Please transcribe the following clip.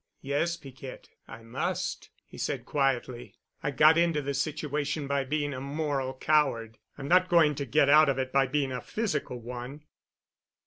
"Yes, Piquette, I must," he said quietly. "I got into this situation by being a moral coward, I'm not going to get out of it by being a physical one.